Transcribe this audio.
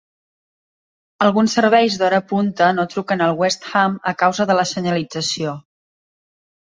Alguns serveis de hora punta no truquen al West Ham a causa de la senyalització.